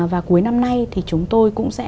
và cuối năm nay thì chúng tôi cũng sẽ